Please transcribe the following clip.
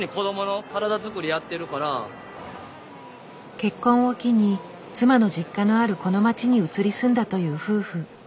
結婚を機に妻の実家のあるこの街に移り住んだという夫婦。